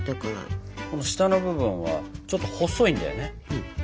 この下の部分はちょっと細いんだよね。